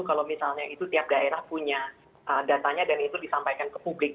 kalau misalnya itu tiap daerah punya datanya dan itu disampaikan ke publik